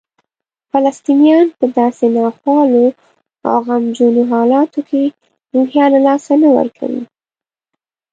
فلسطینیان په داسې ناخوالو او غمجنو حالاتو کې روحیه له لاسه نه ورکوي.